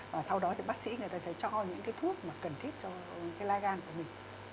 và sau đó thì bác sĩ người ta sẽ cho những cái thuốc mà cần thiết cho cái lai gan của mình